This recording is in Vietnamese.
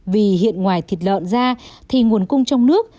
vì hiện ngoài thịt lợn ra thì nguồn cung trong nước